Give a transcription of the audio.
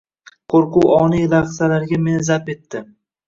Qo`rquv oniy lahzalarga meni zabt etdi